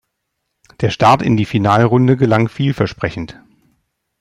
Der Start in die Finalrunde gelang vielversprechend.